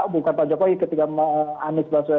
bukan pak jokowi ketika anies baswedan